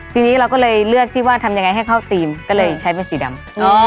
ทีนี้เราก็เลยเลือกที่ว่าทำยังไงให้เข้าธีมก็เลยใช้เป็นสีดำ